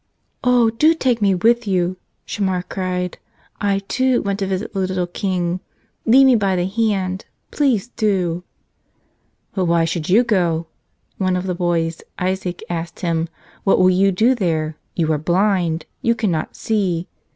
"Oh, do take me with you !" Shamar cried. "I, too, want to visit the little King. Lead me by the hand — please do!" "But why should you go?" one of the boys, Isaac, asked him. "What will you do there? You are blind; you cannot see."